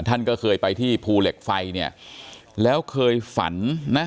ท่านก็เคยไปที่ภูเหล็กไฟเนี่ยแล้วเคยฝันนะ